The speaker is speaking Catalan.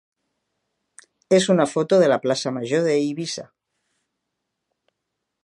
és una foto de la plaça major d'Eivissa.